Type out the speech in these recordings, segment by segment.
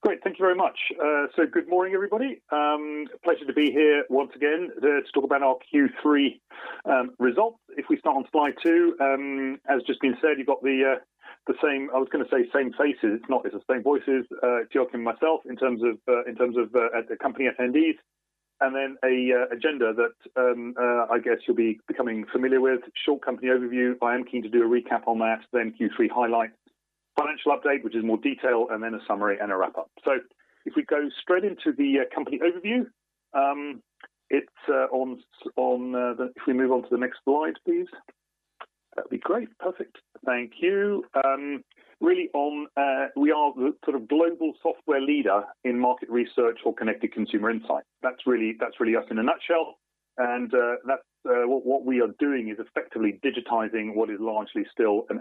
Great. Thank you very much. Good morning, everybody. Pleasure to be here once again to talk about our Q3 results. If we start on slide two, as has just been said, you've got the same, I was going to say same faces. It's not, it's the same voices, Joakim and myself, in terms of company attendees. Then a agenda that I guess you'll be becoming familiar with. Short company overview. I am keen to do a recap on that, then Q3 highlights, financial update, which is more detailed, and then a summary and a wrap-up. If we go straight into the company overview, if we move on to the next slide, please. That'd be great. Perfect. Thank you. We are the global software leader in market research or connected consumer insight. That's really us in a nutshell. What we are doing is effectively digitizing what is largely still an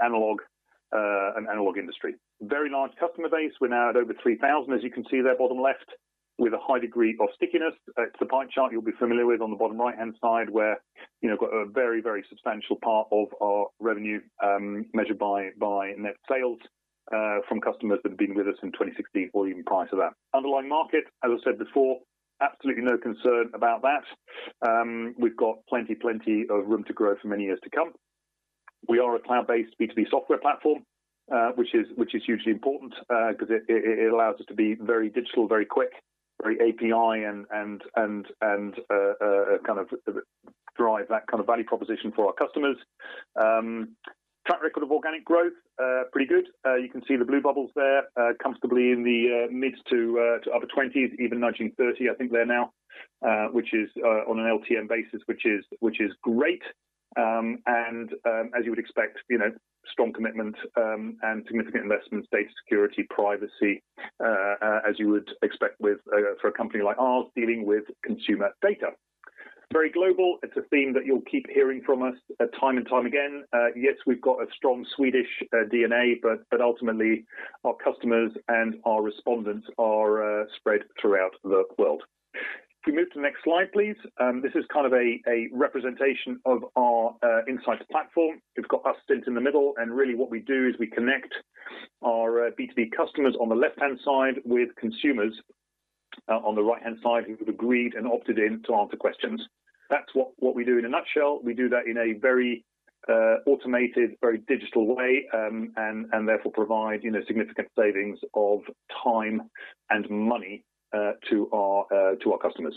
analog industry. Very large customer base. We're now at over 3,000, as you can see there, bottom left, with a high degree of stickiness. It's the pie chart you'll be familiar with on the bottom right-hand side, where we've got a very substantial part of our revenue measured by net sales from customers that have been with us since 2016 or even prior to that. Underlying market, as I said before, absolutely no concern about that. We've got plenty of room to grow for many years to come. We are a cloud-based B2B software platform, which is hugely important, because it allows us to be very digital, very quick, very API, and drive that kind of value proposition for our customers. Track record of organic growth, pretty good. You can see the blue bubbles there, comfortably in the mid to upper 20s, even nudging 30 I think they're now, on an LTM basis, which is great. As you would expect, strong commitment and significant investment in data security, privacy, as you would expect for a company like ours dealing with consumer data. Very global. It's a theme that you'll keep hearing from us time and time again. Yes, we've got a strong Swedish DNA but ultimately, our customers and our respondents are spread throughout the world. If we move to the next slide, please. This is kind of a representation of our Insight Platform. We've got us centered in the middle, and really what we do is we connect our B2B customers on the left-hand side with consumers on the right-hand side who have agreed and opted in to answer questions. That's what we do in a nutshell. We do that in a very automated, very digital way, and therefore provide significant savings of time and money to our customers.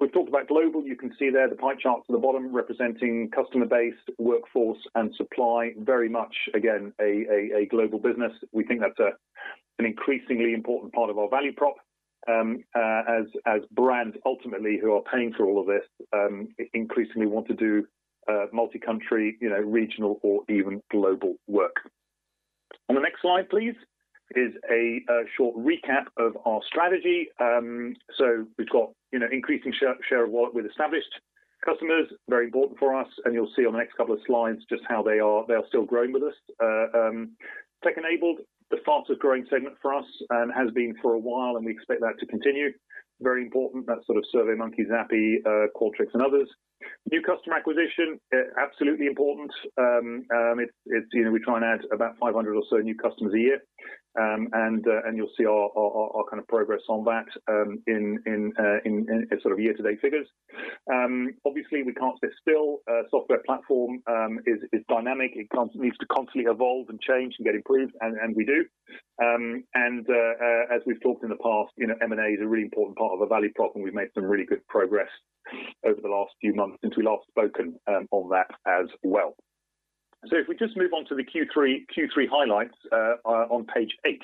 We've talked about global. You can see there the pie charts at the bottom representing customer base, workforce, and supply. Very much, again, a global business. We think that's an increasingly important part of our value prop as brands, ultimately, who are paying for all of this increasingly want to do multi-country, regional, or even global work. On the next slide, please, is a short recap of our strategy. We've got increasing share of wallet with established customers, very important for us, and you'll see on the next couple of slides just how they are still growing with us. Tech-enabled the fastest-growing segment for us and has been for a while, and we expect that to continue. Very important. That's sort of SurveyMonkey, Zappi, Qualtrics, and others. New customer acquisition, absolutely important. We try and add about 500 or so new customers a year. You'll see our progress on that in year-to-date figures. Obviously, we can't sit still. Software platform is dynamic. It needs to constantly evolve and change and get improved, and we do. As we've talked in the past, M&A is a really important part of our value prop, and we've made some really good progress over the last few months since we last spoken on that as well. If we just move on to the Q3 highlights on page eight.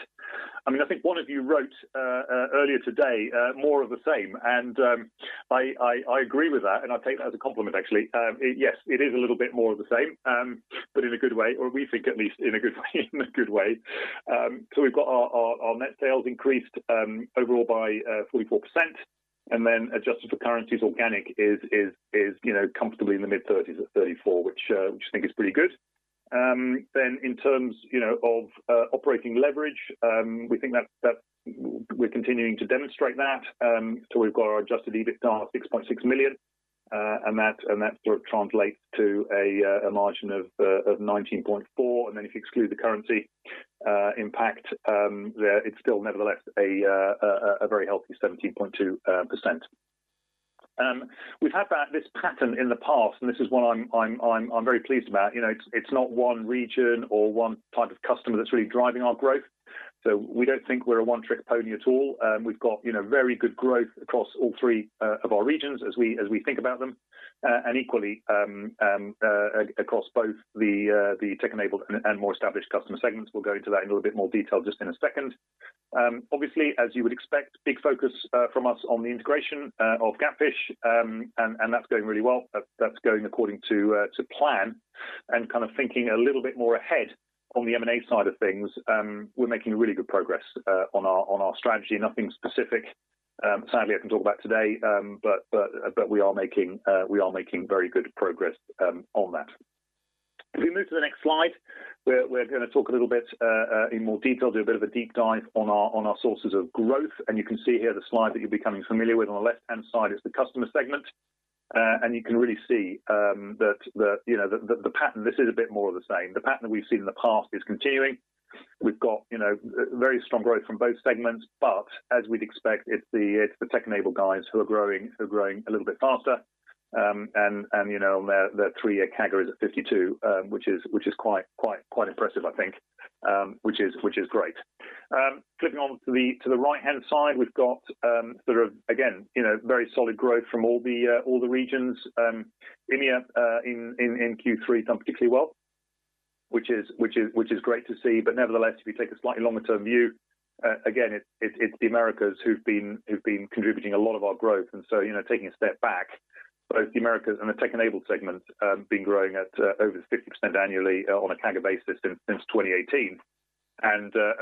I think one of you wrote earlier today, "More of the same," and I agree with that, and I take that as a compliment, actually. It is a little bit more of the same but in a good way, or we think at least in a good way. We've got our net sales increased overall by 44% and then adjusted for currencies, organic is comfortably in the mid-30s at 34%, which I think is pretty good. In terms of operating leverage, we think that we're continuing to demonstrate that. We've got our adjusted EBITDA of 6.6 million, and that sort of translates to a margin of 19.4%. If you exclude the currency impact there, it's still nevertheless a very healthy 17.2%. We've had this pattern in the past. This is one I'm very pleased about. It's not one region or one type of customer that's really driving our growth. We don't think we're a one-trick pony at all. We've got very good growth across all three of our regions as we think about them, and equally across both the tech-enabled and more established customer segments. We'll go into that in a little bit more detail just in a second. Obviously, as you would expect, big focus from us on the integration of GapFish, and that's going really well. That's going according to plan. Kind of thinking a little bit more ahead on the M&A side of things, we're making really good progress on our strategy. Nothing specific, sadly, I can talk about today, but we are making very good progress on that. If we move to the next slide, we're going to talk a little bit in more detail, do a bit of a deep dive on our sources of growth. You can see here the slide that you're becoming familiar with. On the left-hand side is the customer segment. You can really see that the pattern, this is a bit more of the same. The pattern that we've seen in the past is continuing. We've got very strong growth from both segments. As we'd expect, it's the tech-enabled guys who are growing a little bit faster, and their three-year CAGR is at 52, which is quite impressive I think, which is great. Clicking on to the right-hand side, we've got sort of, again, very solid growth from all the regions. EMEA, in Q3, done particularly well, which is great to see. Nevertheless, if you take a slightly longer-term view, again, it's the Americas who've been contributing a lot of our growth. Taking a step back, both the Americas and the tech-enabled segments have been growing at over 50% annually on a CAGR basis since 2018. I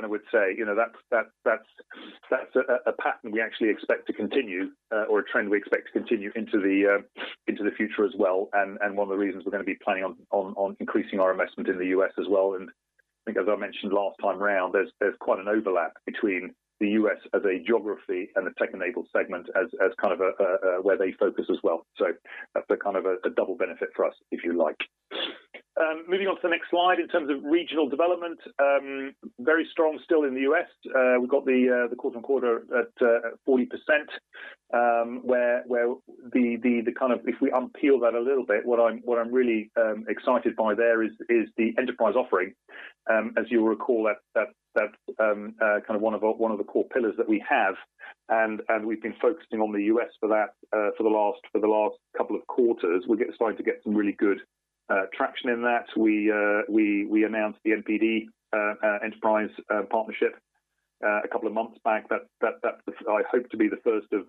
would say, that's a pattern we actually expect to continue, or a trend we expect to continue into the future as well, one of the reasons we're going to be planning on increasing our investment in the U.S. as well. I think, as I mentioned last time around, there's quite an overlap between the U.S. as a geography and the tech-enabled segment as kind of where they focus as well. That's the kind of a double benefit for us, if you like. Moving on to the next slide, in terms of regional development, very strong still in the U.S. We've got the quarter-on-quarter at 40%, where if we unpeel that a little bit, what I'm really excited by there is the enterprise offering. As you'll recall, that's kind of one of the core pillars that we have, and we've been focusing on the U.S. for the last couple of quarters. We're starting to get some really good traction in that. We announced the NPD enterprise partnership a couple of months back. That's, I hope, to be the first of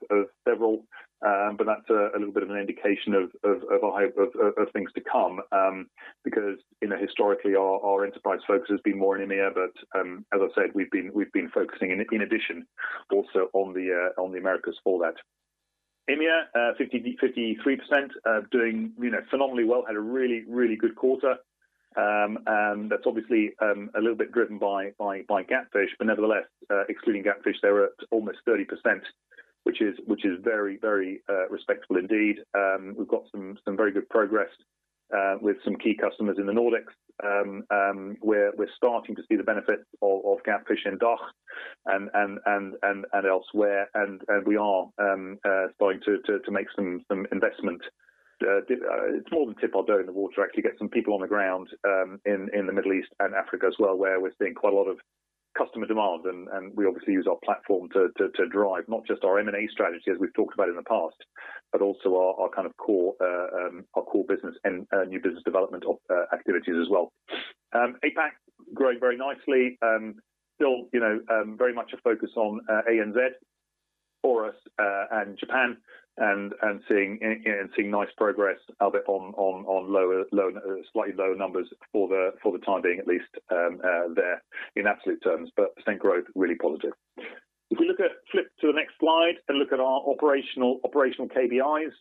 several. That's a little bit of an indication of a hope of things to come, because historically, our enterprise focus has been more in EMEA. As I said, we've been focusing in addition also on the Americas for that. EMEA, 53%, doing phenomenally well. Had a really, really good quarter. That's obviously a little bit driven by GapFish. Nevertheless, excluding GapFish, they were at almost 30%, which is very respectful indeed. We've got some very good progress with some key customers in the Nordics. We're starting to see the benefit of GapFish in DACH and elsewhere. We are starting to make some investment. It's more than a tip of toe in the water, actually get some people on the ground in the Middle East and Africa as well, where we're seeing quite a lot of customer demand. We obviously use our platform to drive not just our M&A strategy as we've talked about in the past, but also our kind of core business and new business development activities as well. APAC growing very nicely. Still very much a focus on ANZ for us and Japan, and seeing nice progress, albeit on slightly lower numbers for the time being, at least, there in absolute terms. Percent growth, really positive. If we flip to the next slide and look at our operational KPIs,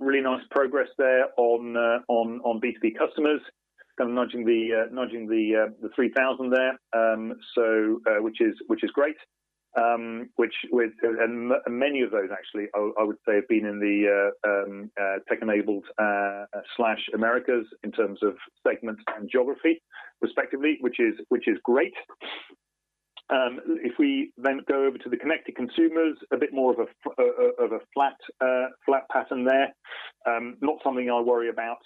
really nice progress there on B2B customers. Kind of nudging the 3,000 there, which is great. Many of those, actually, I would say, have been in the tech-enabled/Americas in terms of segment and geography respectively, which is great. If we go over to the connected consumers, a bit more of a flat pattern there. Not something I worry about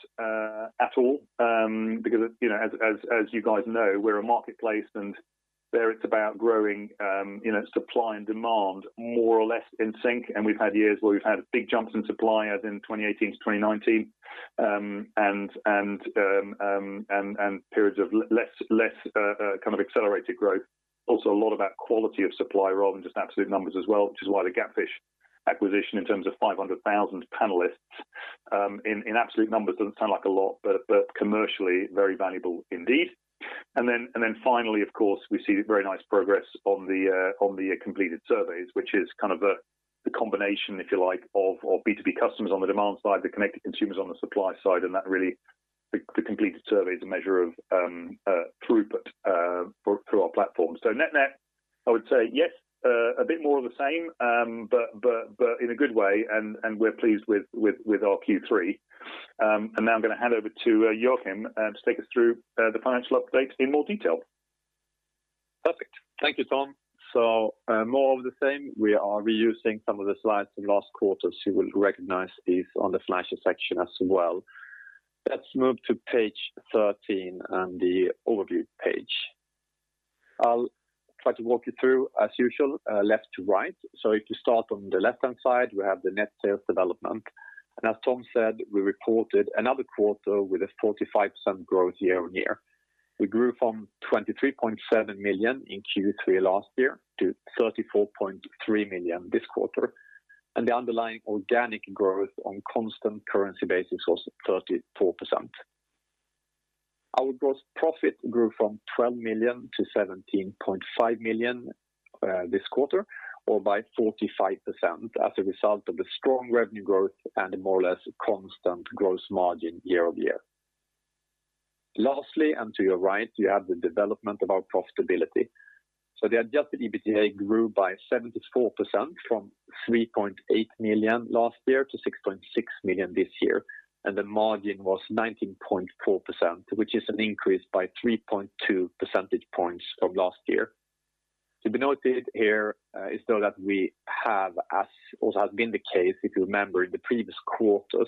at all, because as you guys know, we're a marketplace, and there it's about growing supply and demand more or less in sync. We've had years where we've had big jumps in supply, as in 2018 to 2019, and periods of less kind of accelerated growth. Also a lot about quality of supply rather than just absolute numbers as well, which is why the GapFish acquisition, in terms of 500,000 panelists, in absolute numbers doesn't sound like a lot, but commercially very valuable indeed. Finally, of course, we see very nice progress on the completed surveys, which is kind of the combination, if you like, of B2B customers on the demand side, the connected consumers on the supply side, the completed survey is a measure of throughput through our platform. Net-net, I would say yes, a bit more of the same, but in a good way, and we're pleased with our Q3. I'm going to hand over to Joakim to take us through the financial update in more detail. Perfect. Thank you, Tom. More of the same. We are reusing some of the slides from last quarter, so you will recognize these on the financial section as well. Let's move to page 13, the overview page. I'll try to walk you through, as usual, left to right. If you start on the left-hand side, we have the net sales development. As Tom said, we reported another quarter with a 45% growth year-on-year. We grew from 23.7 million in Q3 last year to 34.3 million this quarter. The underlying organic growth on constant currency basis was 34%. Our gross profit grew from 12 million to 17.5 million this quarter, or by 45%, as a result of the strong revenue growth and a more or less constant gross margin year-on-year. Lastly, to your right, you have the development of our profitability. The adjusted EBITDA grew by 74% from 3.8 million last year to 6.6 million this year, and the margin was 19.4%, which is an increase by 3.2 percentage points from last year. To be noted here is though that we have, as also has been the case, if you remember, in the previous quarters,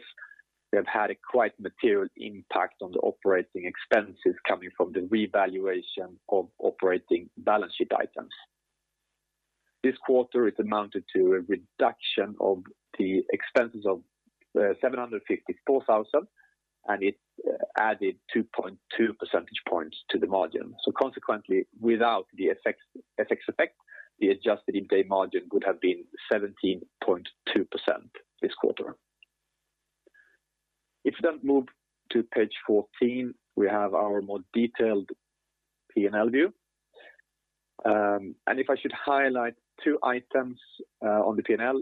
we have had a quite material impact on the operating expenses coming from the revaluation of operating balance sheet items. This quarter, it amounted to a reduction of the expenses of 754,000, and it added 2.2 percentage points to the margin. Consequently, without the FX effect, the adjusted EBITDA margin would have been 17.2% this quarter. If you move to page 14, we have our more detailed P&L view. If I should highlight two items on the P&L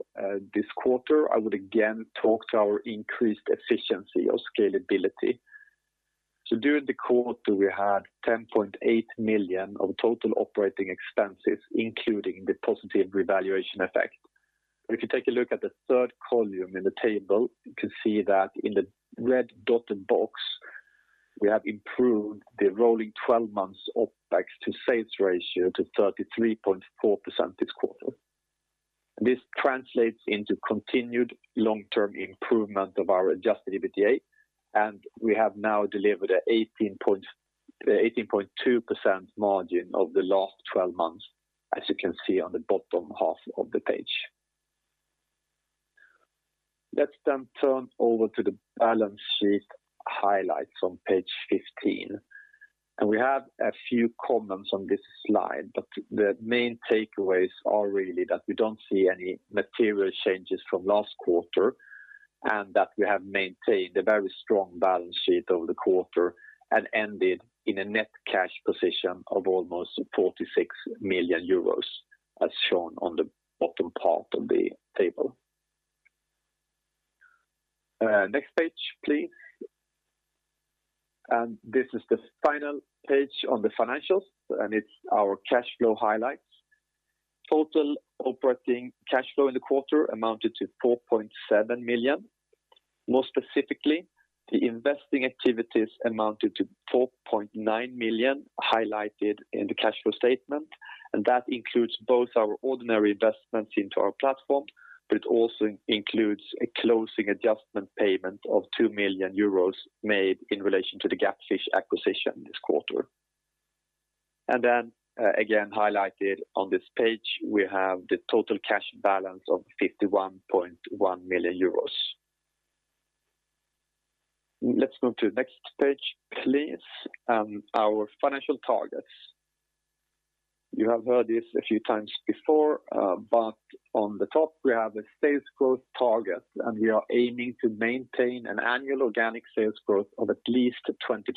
this quarter, I would again talk to our increased efficiency of scalability. During the quarter, we had 10.8 million of total operating expenses, including the positive revaluation effect. If you take a look at the third column in the table, you can see that in the red dotted box, we have improved the rolling 12 months OpEx to sales ratio to 33.4% this quarter. This translates into continued long-term improvement of our adjusted EBITDA, and we have now delivered an 18.2% margin over the last 12 months, as you can see on the bottom half of the page. Let's turn over to the balance sheet highlights on page 15. We have a few comments on this slide, but the main takeaways are really that we don't see any material changes from last quarter, and that we have maintained a very strong balance sheet over the quarter and ended in a net cash position of almost 46 million euros, as shown on the bottom part of the table. Next page, please. This is the final page on the financials, and it's our cash flow highlights. Total operating cash flow in the quarter amounted to 4.7 million. More specifically, the investing activities amounted to 4.9 million, highlighted in the cash flow statement. That includes both our ordinary investments into our platform, but it also includes a closing adjustment payment of 2 million euros made in relation to the GapFish acquisition this quarter. Again, highlighted on this page, we have the total cash balance of 51.1 million euros. Let's move to the next page, please, our financial targets. You have heard this a few times before, on the top, we have the sales growth target, and we are aiming to maintain an annual organic sales growth of at least 20%.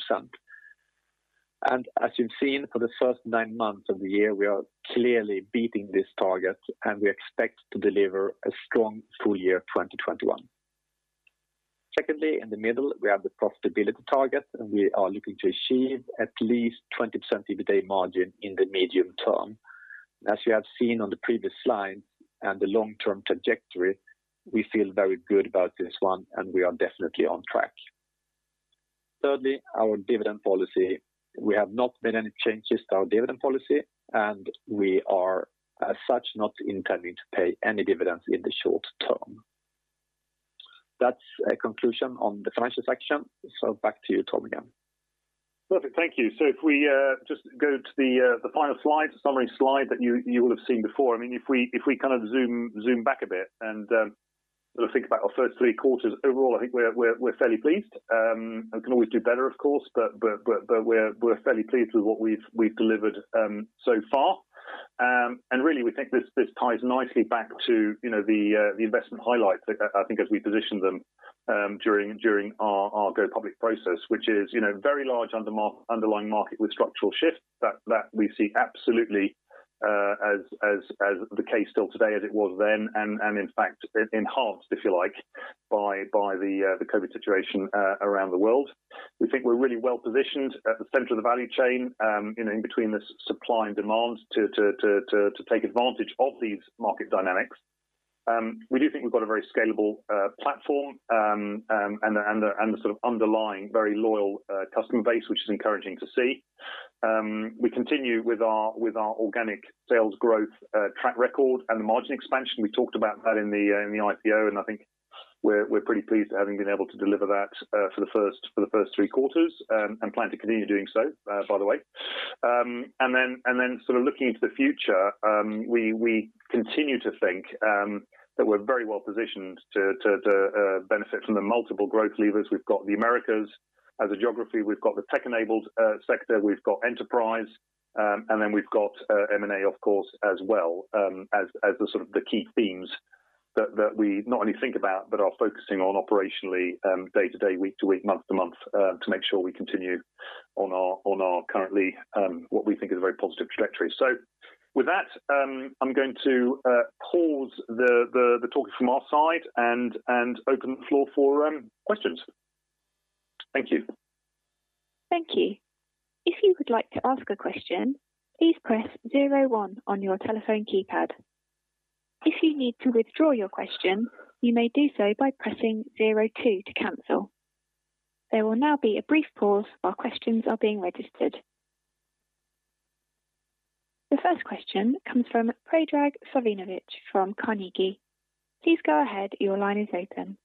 As you've seen for the first nine months of the year, we are clearly beating this target, and we expect to deliver a strong full year 2021. Secondly, in the middle, we have the profitability target, and we are looking to achieve at least 20% EBITDA margin in the medium term. As you have seen on the previous slide and the long-term trajectory, we feel very good about this one, and we are definitely on track. Thirdly, our dividend policy. There have not been any changes to our dividend policy, and we are as such not intending to pay any dividends in the short term. That's a conclusion on the financial section. Back to you, Tom, again. Perfect. Thank you. If we just go to the final slide, the summary slide that you will have seen before. If we kind of zoom back a bit and think about our first three quarters overall, I think we're fairly pleased. Can always do better, of course, but we're fairly pleased with what we've delivered so far. Really, we think this ties nicely back to the investment highlights, I think as we positioned them during our go public process. Which is, very large underlying market with structural shifts that we see absolutely as the case still today as it was then, and in fact, enhanced, if you like, by the COVID situation around the world. We think we're really well-positioned at the center of the value chain in between the supply and demand to take advantage of these market dynamics. We do think we've got a very scalable platform, and the sort of underlying very loyal customer base, which is encouraging to see. We continue with our organic sales growth track record and the margin expansion. We talked about that in the IPO, and I think we're pretty pleased at having been able to deliver that for the first 12 quarters, and plan to continue doing so, by the way. Sort of looking into the future, we continue to think that we're very well-positioned to benefit from the multiple growth levers. We've got the Americas as a geography. We've got the tech-enabled sector. We've got enterprise. Then we've got M&A, of course, as well, as the sort of the key themes that we not only think about, but are focusing on operationally day to day, week to week, month to month, to make sure we continue on our currently, what we think is a very positive trajectory. With that, I'm going to pause the talking from our side and open the floor for questions. Thank you. Thank you. If you would like to ask a question, please press zero one on your telephone keypad. If you need to withdraw your question, you may do so by pressing zero two to cancel. There will now be a brief pause while questions are being registered. The first question comes from Predrag Savinovic from Carnegie. Please go ahead. Your line is open.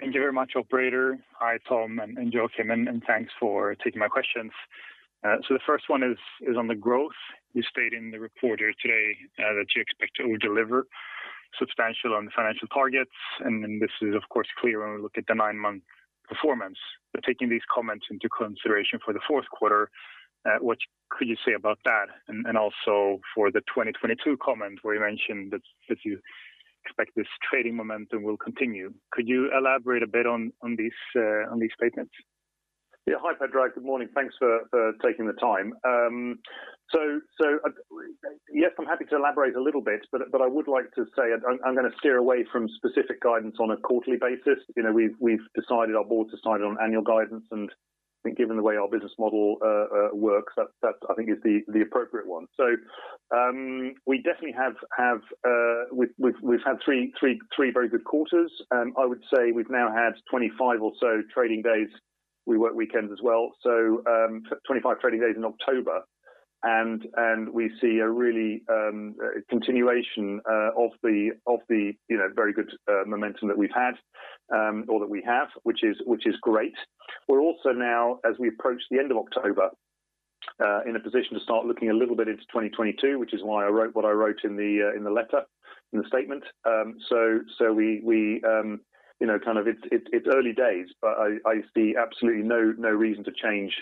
Thank you very much, operator. Hi, Tom and Joakim, and thanks for taking my questions. The first one is on the growth. You stated in the report here today that you expect to deliver substantial on the financial targets. This is of course clear when we look at the nine-month performance. Taking these comments into consideration for the fourth quarter, what could you say about that? Also for the 2022 comment where you mentioned that you expect this trading momentum will continue. Could you elaborate a bit on these statements? Hi, Predrag. Good morning. Thanks for taking the time. Yes, I'm happy to elaborate a little bit, but I would like to say I'm going to steer away from specific guidance on a quarterly basis. Our board decided on annual guidance, and I think given the way our business model works, that I think is the appropriate one. We've had three very good quarters, and I would say we've now had 25 or so trading days. We work weekends as well, so 25 trading days in October, and we see a really continuation of the very good momentum that we've had, or that we have, which is great. We're also now, as we approach the end of October, in a position to start looking a little bit into 2022, which is why I wrote what I wrote in the letter, in the statement. It's early days, but I see absolutely no reason to change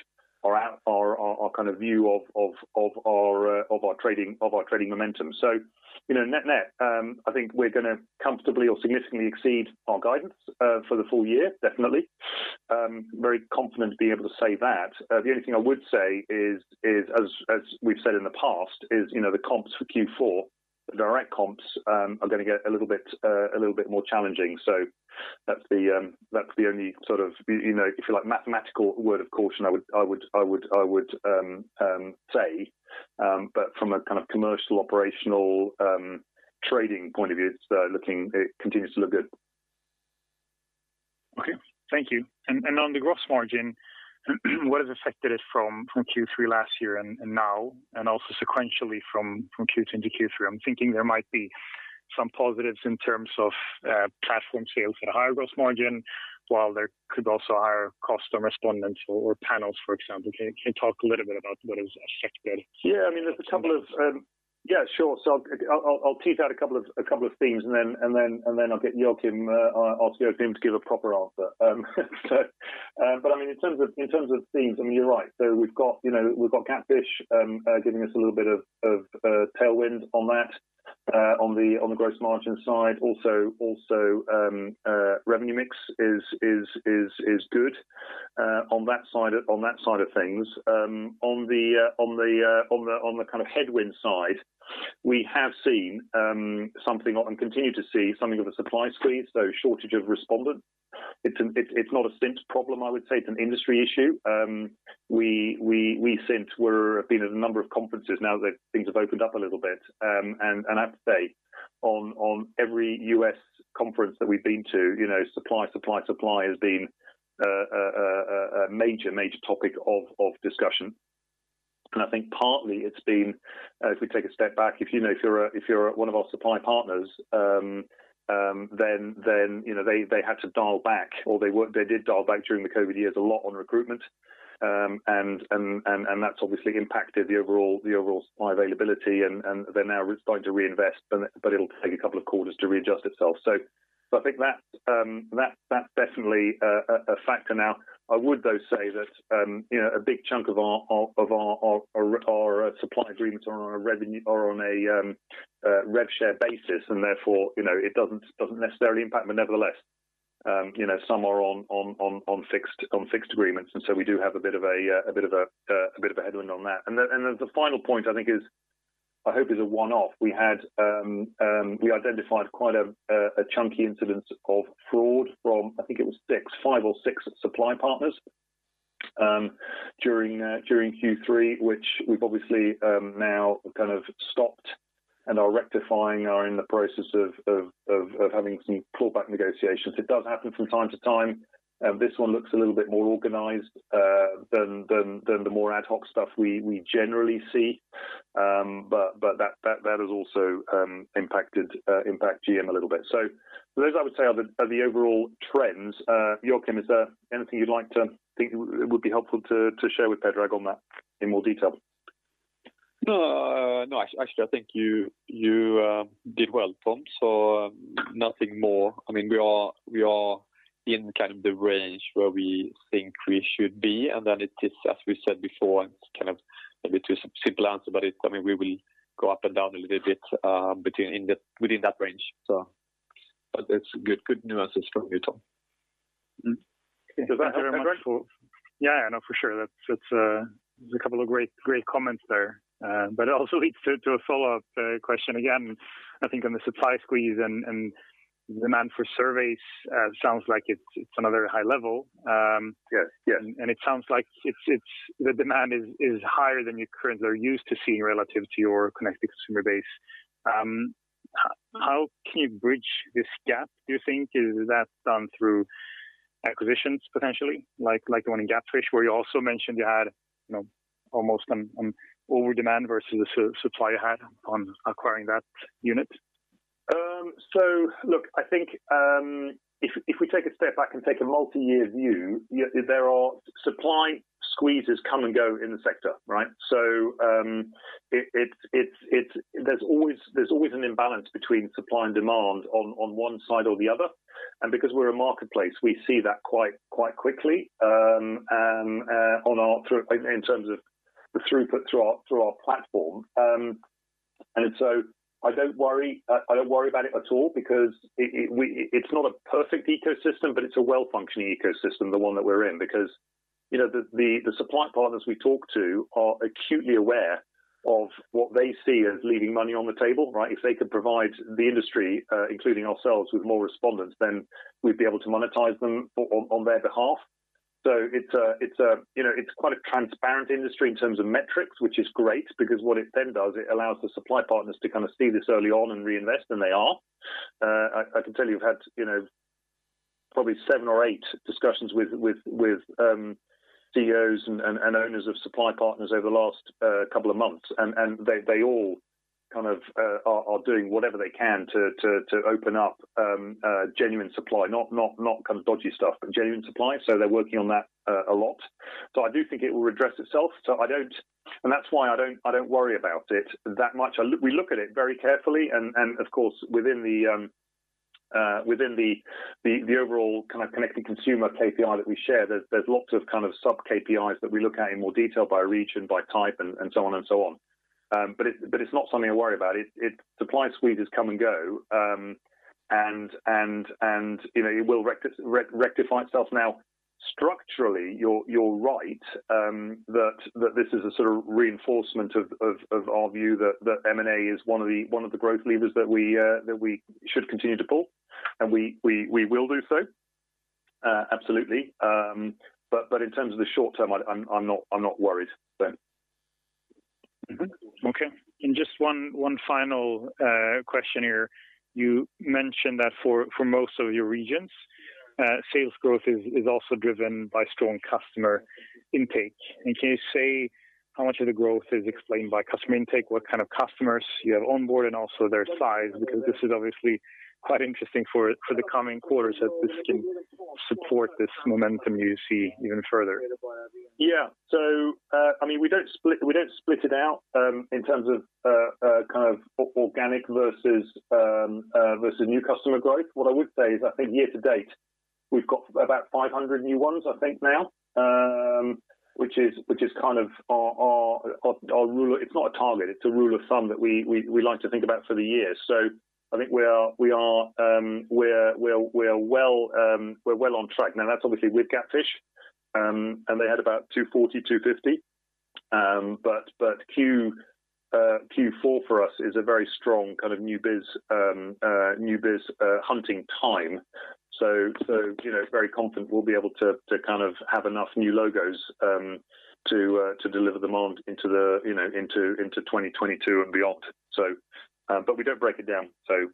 our view of our trading momentum. Net-net, I think we're going to comfortably or significantly exceed our guidance for the full year, definitely. Very confident being able to say that. The only thing I would say is, as we've said in the past, is the comps for Q4, the direct comps are going to get a little bit more challenging. That's the only, if you like, mathematical word of caution I would say. From a kind of commercial, operational trading point of view, it continues to look good. Okay. Thank you. On the gross margin, what has affected it from Q3 last year and now, and also sequentially from Q2 into Q3? I'm thinking there might be some positives in terms of platform sales at a higher gross margin, while there could also higher cost or respondents or panels, for example. Can you talk a little bit about what has affected? Yeah, sure. I'll tease out a couple of themes, and then I'll get Joakim to give a proper answer. In terms of themes, you're right. We've got GapFish giving us a little bit of tailwind on that, on the gross margin side. Also, revenue mix is good on that side of things. On the kind of headwind side, we have seen something, and continue to see something of a supply squeeze, so shortage of respondents. It's not a Cint problem, I would say. It's an industry issue. We, Cint, we've been at a number of conferences now that things have opened up a little bit, and I have to say, on every U.S. conference that we've been to, supply has been a major topic of discussion. I think partly it's been, if we take a step back, if you're one of our supply partners, then they had to dial back, or they did dial back during the COVID years a lot on recruitment. That's obviously impacted the overall supply availability and they're now starting to reinvest, but it'll take a couple of quarters to readjust itself. I think that's definitely a factor now. I would though say that a big chunk of our supply agreements are on a rev share basis and therefore it doesn't necessarily impact, but nevertheless some are on fixed agreements, and so we do have a bit of a headwind on that. The final point I think is, I hope is a one-off. We identified quite a chunky incidence of fraud from, I think it was six, five or six supply partners during Q3, which we've obviously now kind of stopped and are rectifying, are in the process of having some clawback negotiations. It does happen from time to time. This one looks a little bit more organized than the more ad hoc stuff we generally see. That has also impacted GM a little bit. Those, I would say, are the overall trends. Joakim, is there anything you'd like to think it would be helpful to share with Predrag on that in more detail? No. Actually, I think you did well, Tom. Nothing more. We are in kind of the range where we think we should be, and then it is, as we said before, kind of maybe too simple answer, but it's coming. We will go up and down a little bit within that range. It's good nuances from you, Tom. Thank you very much. Yeah, I know, for sure. That's a couple of great comments there. It also leads to a follow-up question again, I think on the supply squeeze and demand for surveys, sounds like it's another high level. Yeah. It sounds like the demand is higher than you currently are used to seeing relative to your connected consumer base. How can you bridge this gap, do you think? Is that done through acquisitions potentially, like the one in GapFish, where you also mentioned you had almost an overdemand versus the supply you had on acquiring that unit? Look, I think if we take a step back and take a multi-year view, supply squeezes come and go in the sector, right? There's always an imbalance between supply and demand on one side or the other. Because we're a marketplace, we see that quite quickly in terms of the throughput through our platform. I don't worry about it at all because it's not a perfect ecosystem, but it's a well-functioning ecosystem, the one that we're in, because the supply partners we talk to are acutely aware of what they see as leaving money on the table, right? If they can provide the industry, including ourselves, with more respondents, then we'd be able to monetize them on their behalf. It's quite a transparent industry in terms of metrics, which is great because what it then does, it allows the supply partners to kind of see this early on and reinvest, and they are. I can tell you we've had probably seven or eight discussions with CEOs and owners of supply partners over the last couple of months, and they all are doing whatever they can to open up genuine supply, not kind of dodgy stuff, but genuine supply. They're working on that a lot. I do think it will redress itself. That's why I don't worry about it that much. We look at it very carefully, and of course, within the overall kind of connected consumer KPI that we share, there's lots of kind of sub-KPIs that we look at in more detail by region, by type, and so on. It's not something to worry about. Supply squeezes come and go, and it will rectify itself. Now, structurally, you're right that this is a sort of reinforcement of our view that M&A is one of the growth levers that we should continue to pull, and we will do so, absolutely. In terms of the short term, I'm not worried there. Mm-hmm. Okay. Just one final question here. You mentioned that for most of your regions, sales growth is also driven by strong customer intake. Can you say how much of the growth is explained by customer intake? What kind of customers you have onboard, and also their size, because this is obviously quite interesting for the coming quarters that this can support this momentum you see even further. Yeah. We don't split it out in terms of kind of organic versus new customer growth. What I would say is, I think year to date, we've got about 500 new ones, I think now, which is kind of our rule. It's not a target, it's a rule of thumb that we like to think about for the year. I think we're well on track now. That's obviously with GapFish, and they had about 240, 250. Q4 for us is a very strong kind of new biz hunting time. Very confident we'll be able to kind of have enough new logos to deliver demand into 2022 and beyond. We don't break it down to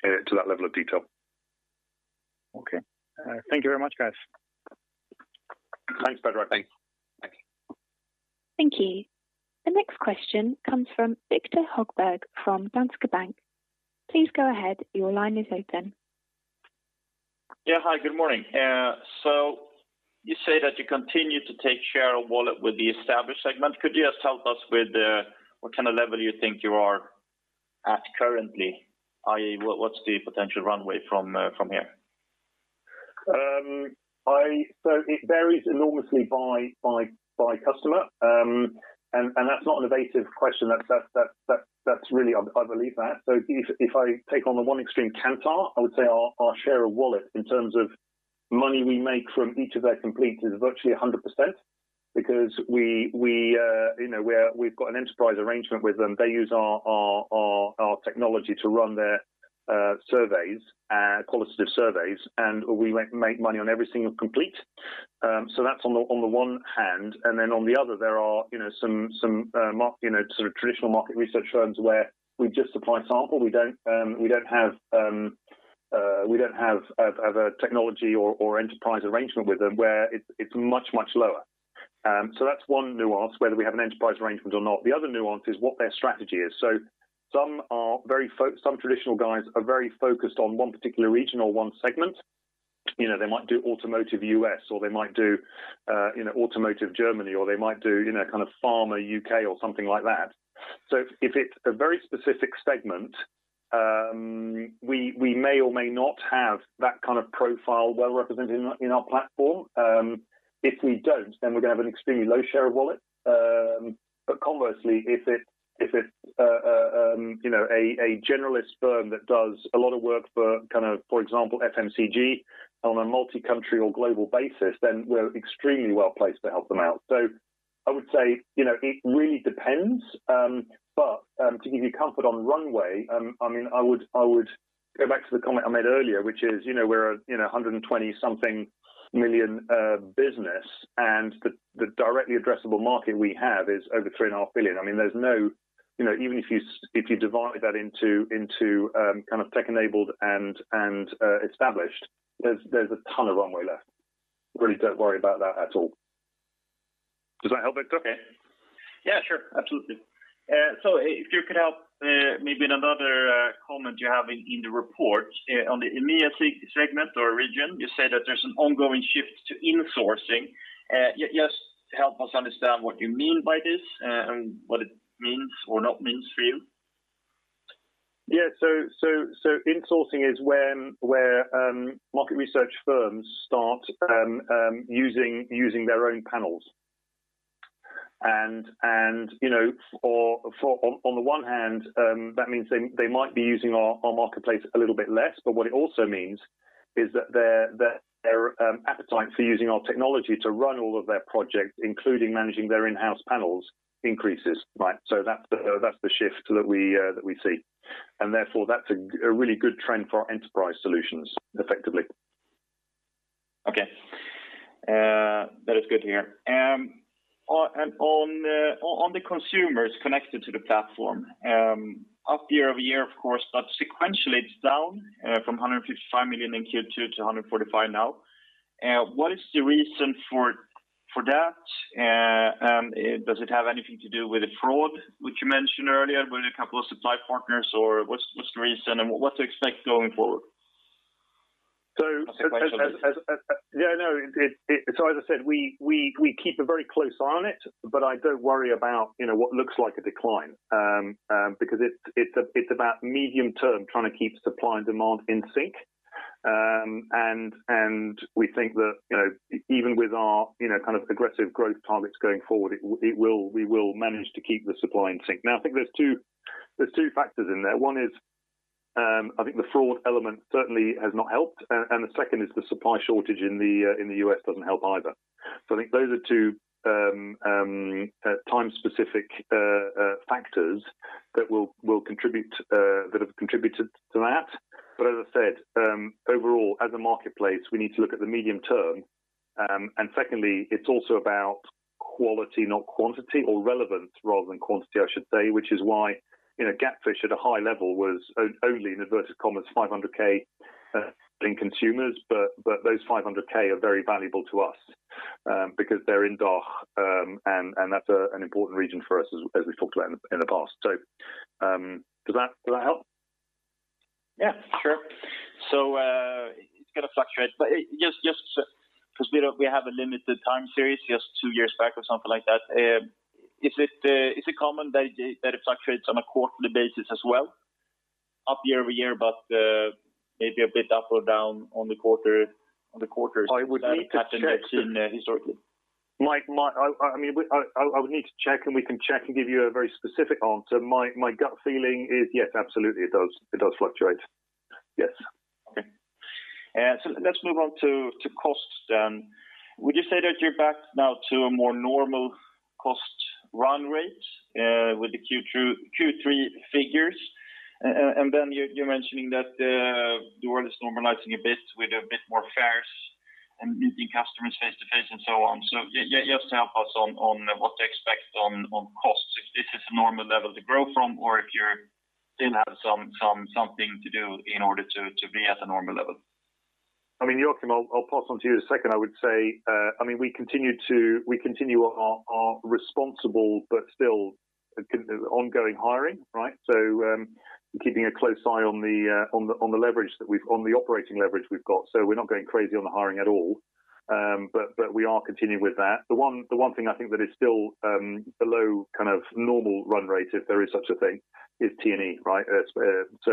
that level of detail. Okay. Thank you very much, guys. Thanks, Predrag. Thank you. The next question comes from Viktor Högberg from Danske Bank. Please go ahead, your line is open. Yeah, hi. Good morning. You say that you continue to take share of wallet with the established segment. Could you just help us with what kind of level you think you are at currently, i.e., what's the potential runway from here? It varies enormously by customer. That's not an evasive question, I believe that. If I take on the one extreme, Kantar, I would say our share of wallet in terms of money we make from each of their completes is virtually 100%, because we've got an enterprise arrangement with them. They use our technology to run their qualitative surveys, and we make money on every single complete. That's on the one hand, and then on the other, there are some sort of traditional market research firms where we just supply sample. We don't have a technology or enterprise arrangement with them where it's much, much lower. That's one nuance, whether we have an enterprise arrangement or not. The other nuance is what their strategy is. Some traditional guys are very focused on one particular region or one segment. They might do automotive U.S., or they might do automotive Germany, or they might do pharma U.K. or something like that. If it's a very specific segment, we may or may not have that kind of profile well represented in our platform. If we don't, then we're going to have an extremely low share of wallet. Conversely, if it's a generalist firm that does a lot of work for example, FMCG on a multi-country or global basis, then we're extremely well-placed to help them out. I would say it really depends. To give you comfort on runway, I would go back to the comment I made earlier, which is, we're a 120-something million business, and the directly addressable market we have is over 3.5 billion. Even if you divide that into tech-enabled and established, there's a ton of runway left. Really don't worry about that at all. Does that help, Viktor? Okay. Yeah, sure. Absolutely. If you could help maybe in another comment you have in the report on the EMEA segment or region, you said that there's an ongoing shift to insourcing. Just help us understand what you mean by this and what it means or not means for you. Yeah. Insourcing is where market research firms start using their own panels. On the one hand, that means they might be using our marketplace a little bit less, but what it also means is that their appetite for using our technology to run all of their projects, including managing their in-house panels, increases. That's the shift that we see, and therefore, that's a really good trend for our enterprise solutions, effectively. Okay. That is good to hear. On the consumers connected to the platform, up year-over-year, of course, but sequentially it's down from 155 million in Q2 to 145 now. What is the reason for that? Does it have anything to do with the fraud, which you mentioned earlier, with a couple of supply partners, or what's the reason and what to expect going forward? As I said, we keep a very close eye on it, but I don't worry about what looks like a decline. It's about medium term, trying to keep supply and demand in sync. We think that even with our aggressive growth targets going forward, we will manage to keep the supply in sync. I think there are two factors in there. One is, I think the fraud element certainly has not helped, and the second is the supply shortage in the U.S. doesn't help either. I think those are two time-specific factors that have contributed to that. As I said, overall as a marketplace, we need to look at the medium term. Secondly, it's also about quality not quantity, or relevance rather than quantity, I should say, which is why GapFish at a high level was only, in inverted commas, 500,000 in consumers. Those 500,000 are very valuable to us, because they're in DACH, and that's an important region for us as we talked about in the past. Does that help? Yeah, sure. It's going to fluctuate, but just because we have a limited time series, just two years back or something like that, is it common that it fluctuates on a quarterly basis as well? Up year-over-year, but maybe a bit up or down on the quarters. I would need to check. That we've seen historically. I would need to check, and we can check and give you a very specific answer. My gut feeling is yes, absolutely, it does fluctuate. Yes. Okay. Let's move on to costs. Would you say that you're back now to a more normal cost run rate, with the Q3 figures? You're mentioning that the world is normalizing a bit with a bit more fairs and meeting customers face-to-face and so on. Just help us on what to expect on costs, if this is a normal level to grow from or if you still have something to do in order to be at a normal level. Joakim, I'll pass on to you in a second. I would say, we continue our responsible but still ongoing hiring, right? Keeping a close eye on the operating leverage we've got. We're not going crazy on the hiring at all. We are continuing with that. The one thing I think that is still below kind of normal run rate, if there is such a thing, is T&E, right?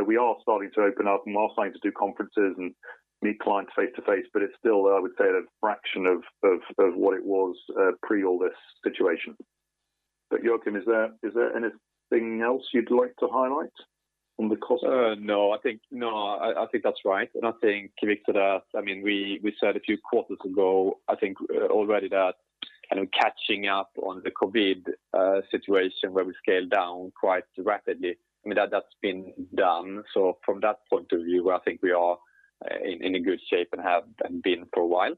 We are starting to open up and are starting to do conferences and meet clients face-to-face, but it's still, I would say, at a fraction of what it was pre all this situation. Joakim, is there anything else you'd like to highlight on the cost? No, I think that's right. Nothing coming to that. We said a few quarters ago, I think already that kind of catching up on the COVID situation where we scaled down quite rapidly, that's been done. From that point of view, I think we are in a good shape and have been for a while.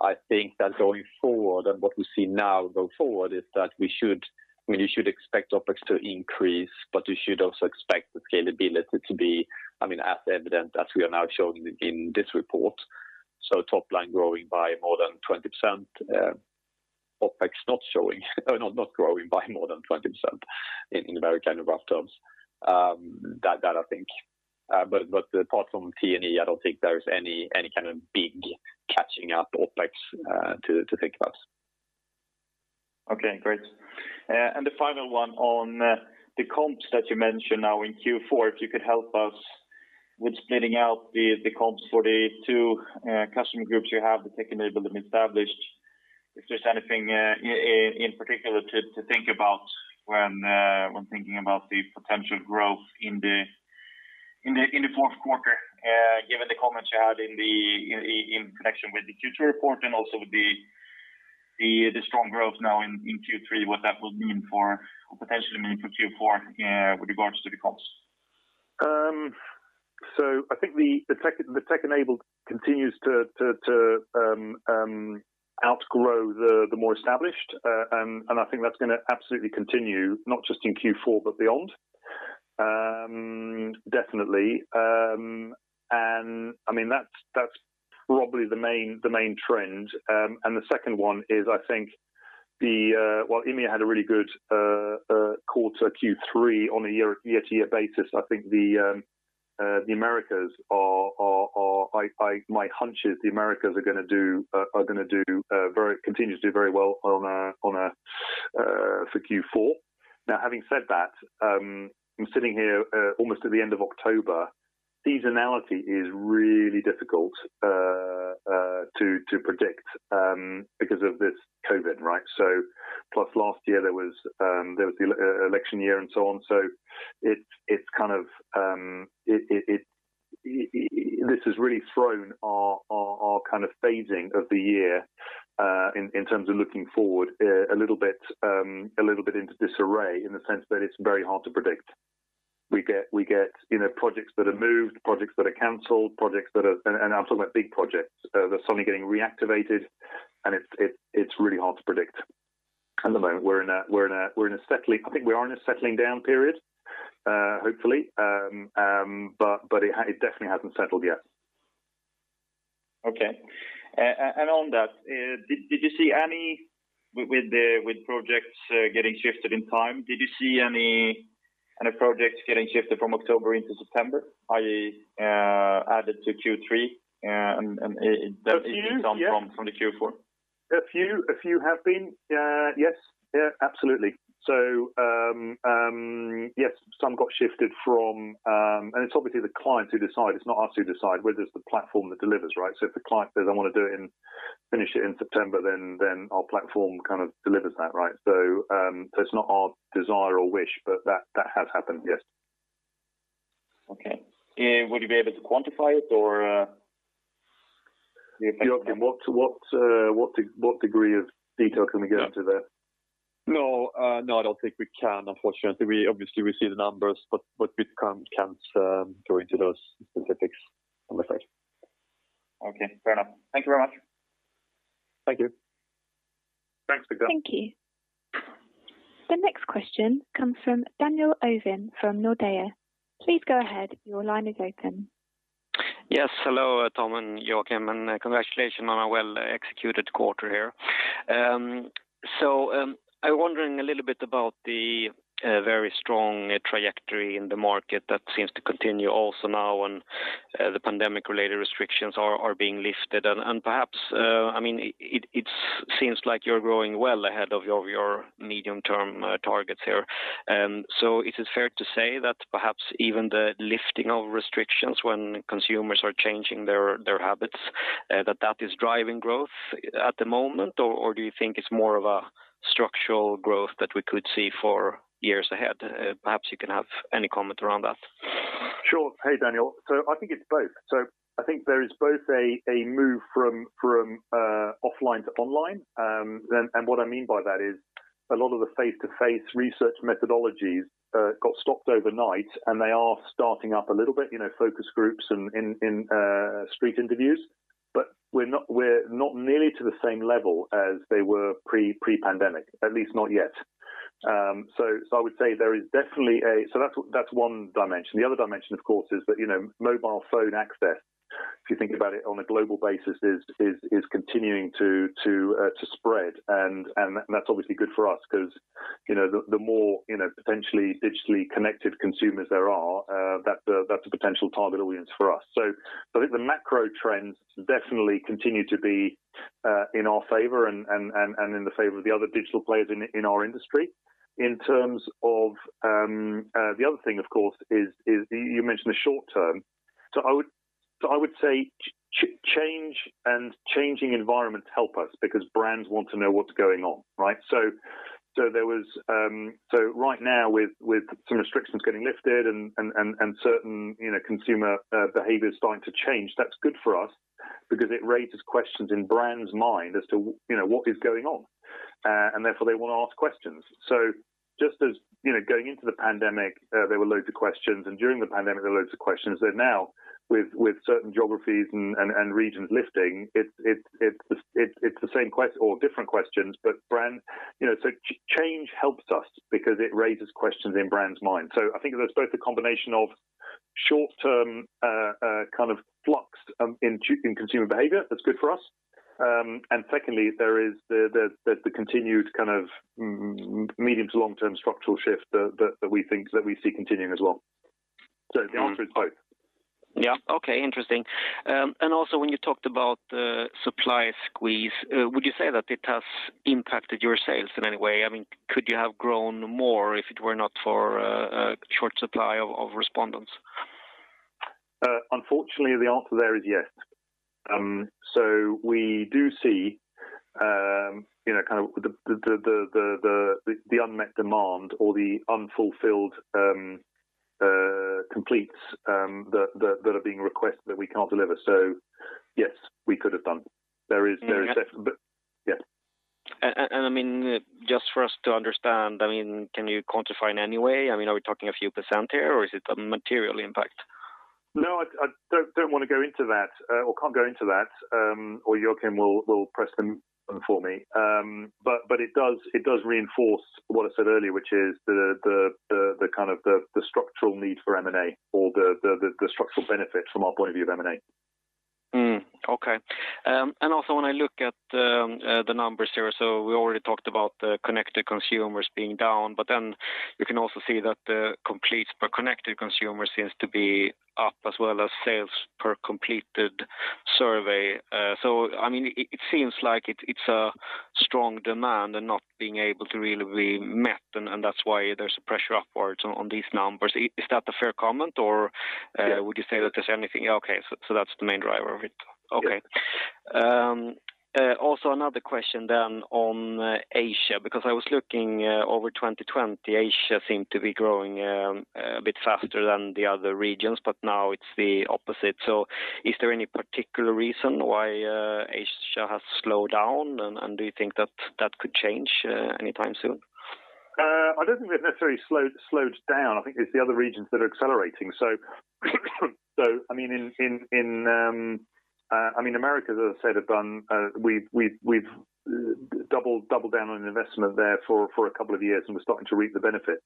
I think that going forward and what we see now go forward is that you should expect OpEx to increase, but you should also expect the scalability to be as evident as we are now showing in this report. Top line growing by more than 20%, OpEx not growing by more than 20% in very kind of rough terms. That I think, but apart from T&E, I don't think there's any kind of big catching up OpEx to think about. Okay, great. The final one on the comps that you mentioned now in Q4, if you could help us with splitting out the comps for the two customer groups you have, the tech-enabled and established. If there's anything in particular to think about when thinking about the potential growth in the fourth quarter, given the comments you had in connection with the Q2 report and also the strong growth now in Q3, what that will potentially mean for Q4 with regards to the costs? I think the tech-enabled continues to outgrow the more established, and I think that's going to absolutely continue, not just in Q4 but beyond. Definitely. That's probably the main trend. The second one is, I think, while EMEA had a really good quarter Q3 on a year-to-year basis, I think the Americas continue to do very well for Q4. Now, having said that, I'm sitting here almost at the end of October. Seasonality is really difficult to predict because of this COVID, right? Plus, last year, there was the election year and so on. This has really thrown our phasing of the year in terms of looking forward a little bit into disarray in the sense that it's very hard to predict. We get projects that are moved, projects that are canceled. I'm talking about big projects that are suddenly getting reactivated, and it's really hard to predict. At the moment, I think we are in a settling down period, hopefully. It definitely hasn't settled yet. Okay. On that, with projects getting shifted in time, did you see any projects getting shifted from October into September, i.e., added to Q3 and deducted from the Q4? A few have been. Yes, absolutely. Yes, some got shifted from. It's obviously the client who decide. It's not us who decide. We're just the platform that delivers, right? If the client says, "I want to finish it in September," then our platform kind of delivers that, right? It's not our desire or wish, but that has happened, yes. Okay. Would you be able to quantify it? Joakim, what degree of detail can we get into there? No, I don't think we can, unfortunately. We obviously receive the numbers, but we can't go into those specifics, I'm afraid. Okay. Fair enough. Thank you very much. Thank you. Thank you. The next question comes from Daniel Ovin from Nordea. Please go ahead. Your line is open. Yes. Hello, Tom and Joakim, and congratulations on a well-executed quarter here. I'm wondering a little bit about the very strong trajectory in the market that seems to continue also now and the pandemic-related restrictions are being lifted and perhaps, it seems like you're growing well ahead of your medium-term targets here. Is it fair to say that perhaps even the lifting of restrictions when consumers are changing their habits, that that is driving growth at the moment, or do you think it's more of a structural growth that we could see for years ahead? Perhaps you can have any comment around that. Sure. Hey, Daniel. I think it's both. I think there is both a move from offline to online, and what I mean by that is a lot of the face-to-face research methodologies got stopped overnight, and they are starting up a little bit, focus groups and street interviews. We're not nearly to the same level as they were pre-pandemic, at least not yet. That's one dimension. The other dimension, of course, is that mobile phone access, if you think about it on a global basis, is continuing to spread. That's obviously good for us because the more potentially digitally connected consumers there are, that's a potential target audience for us. I think the macro trends definitely continue to be in our favor and in the favor of the other digital players in our industry. In terms of the other thing, of course, is you mentioned the short term. I would say change and changing environments help us because brands want to know what's going on, right? Right now, with some restrictions getting lifted and certain consumer behaviors starting to change, that's good for us because it raises questions in brands' mind as to what is going on, and therefore, they want to ask questions. Just as going into the pandemic, there were loads of questions, and during the pandemic, there were loads of questions. Now, with certain geographies and regions lifting, it's the same question or different questions, but change helps us because it raises questions in brands' minds. I think there's both a combination of short-term kind of flux in consumer behavior that's good for us. Secondly, there's the continued kind of medium to long-term structural shift that we see continuing as well. The answer is both. Yeah. Okay. Interesting. Also, when you talked about the supply squeeze, would you say that it has impacted your sales in any way? Could you have grown more if it were not for a short supply of respondents? Unfortunately, the answer there is yes. We do see the unmet demand or the unfulfilled completes that are being requested that we can't deliver. Yes, we could have done. Yes. Just for us to understand, can you quantify in any way? Are we talking a few percent here or is it a material impact? No, I don't want to go into that or can't go into that, or Joakim will press them for me. It does reinforce what I said earlier, which is the structural need for M&A or the structural benefit from our point of view of M&A. Okay. Also when I look at the numbers here, we already talked about the connected consumers being down, you can also see that the completes per connected consumer seems to be up as well as sales per completed survey. It seems like it's a strong demand and not being able to really be met, and that's why there's a pressure upwards on these numbers. Is that a fair comment? Yeah. Okay, so that's the main driver of it. Yes. Another question on Asia, because I was looking over 2020, Asia seemed to be growing a bit faster than the other regions, but now it's the opposite. Is there any particular reason why Asia has slowed down, and do you think that could change anytime soon? I don't think they've necessarily slowed down. I think it's the other regions that are accelerating. In Americas, as I said, we've doubled down on investment there for a couple of years, and we're starting to reap the benefits.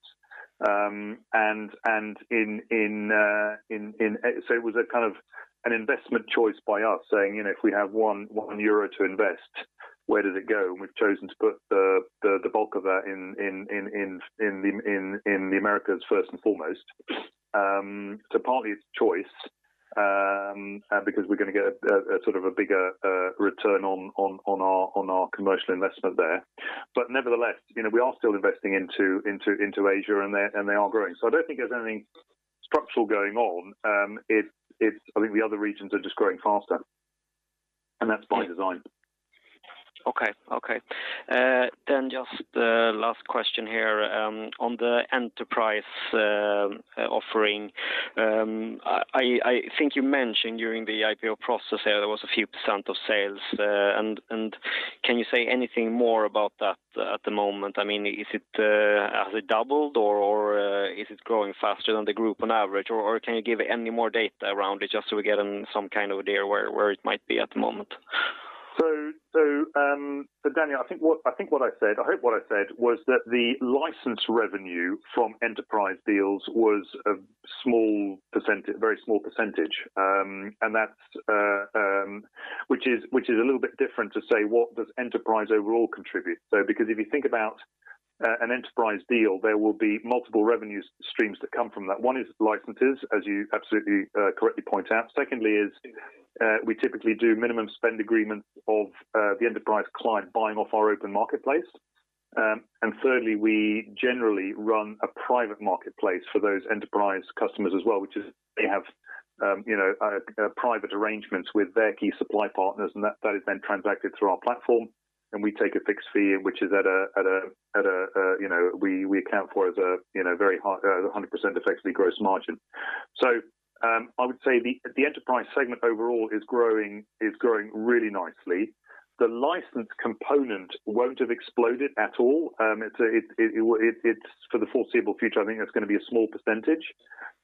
It was an investment choice by us saying, if we have 1 euro to invest, where does it go? We've chosen to put the bulk of that in the Americas first and foremost. Partly it's choice, because we're going to get a bigger return on our commercial investment there. Nevertheless, we are still investing into Asia, and they are growing. I don't think there's anything structural going on. I think the other regions are just growing faster. That's by design. Okay. Just the last question here on the enterprise offering. I think you mentioned during the IPO process there was a few percent of sales. Can you say anything more about that at the moment? Has it doubled or is it growing faster than the group on average, or can you give any more data around it just so we get some kind of idea where it might be at the moment? Daniel, I hope what I said was that the license revenue from enterprise deals was a very small percentage, which is a little bit different to say, what does enterprise overall contribute? Because if you think about an enterprise deal, there will be multiple revenue streams that come from that. One is licenses, as you absolutely correctly point out. Secondly is, we typically do minimum spend agreements of the enterprise client buying off our open marketplace. Thirdly, we generally run a private marketplace for those enterprise customers as well, which is they have private arrangements with their key supply partners, and that is then transacted through our platform, and we take a fixed fee, which we account for as a 100% effectively gross margin. I would say the enterprise segment overall is growing really nicely. The license component won't have exploded at all. For the foreseeable future, I think that's going to be a small percentage.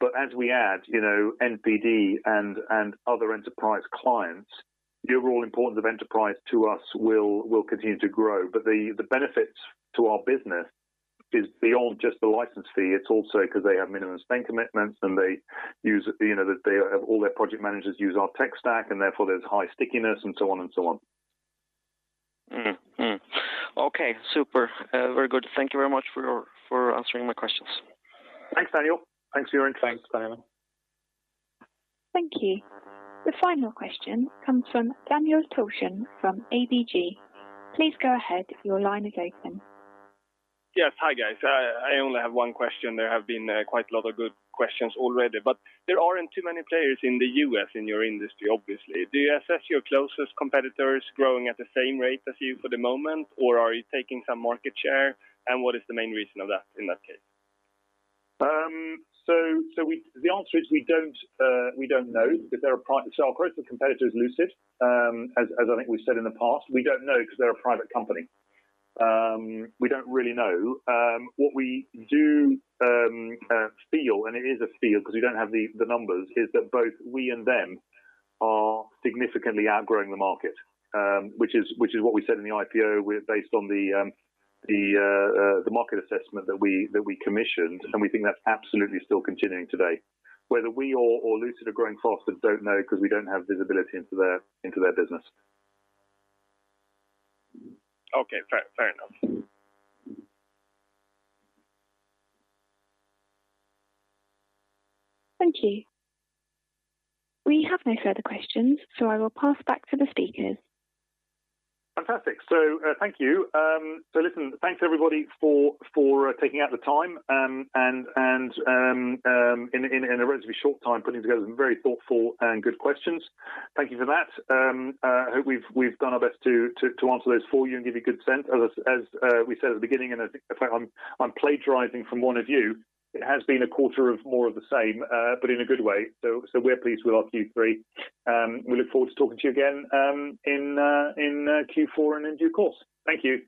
As we add NPD and other enterprise clients, the overall importance of enterprise to us will continue to grow. The benefits to our business is beyond just the license fee. It's also because they have minimum spend commitments, and all their project managers use our tech stack, and therefore there's high stickiness and so on. Okay, super. Very good. Thank you very much for answering my questions. Thanks, Daniel. Thanks, Joakim. Thanks, Daniel. Thank you. The final question comes from Daniel Thorsson from ABG. Please go ahead. Yes. Hi guys. I only have one question. There have been quite a lot of good questions already. There aren't too many players in the U.S. in your industry, obviously. Do you assess your closest competitors growing at the same rate as you for the moment, or are you taking some market share? What is the main reason of that in that case? The answer is we don't know. Our closest competitor is Lucid. As I think we've said in the past, we don't know because they're a private company. We don't really know. What we do feel, and it is a feel because we don't have the numbers, is that both we and them are significantly outgrowing the market, which is what we said in the IPO based on the market assessment that we commissioned, and we think that's absolutely still continuing today. Whether we or Lucid are growing faster, don't know because we don't have visibility into their business. Okay, fair enough. Thank you. We have no further questions, so I will pass back to the speakers. Fantastic. Thank you. Listen, thanks everybody for taking out the time. In a relatively short time, putting together some very thoughtful and good questions. Thank you for that. I hope we've done our best to answer those for you and give you good sense. As we said at the beginning, and in fact, I'm plagiarizing from one of you, it has been a quarter of more of the same, but in a good way. We're pleased with our Q3. We look forward to talking to you again in Q4 and in due course. Thank you.